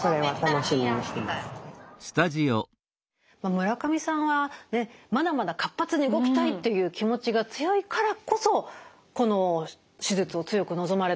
村上さんはまだまだ活発に動きたいという気持ちが強いからこそこの手術を強く望まれたんですね。